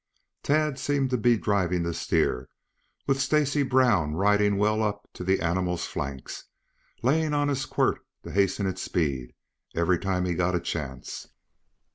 Tad seemed to be driving the steer, with Stacy Brown riding well up to the animal's flanks, laying on his quirt to hasten its speed, every time he got a chance.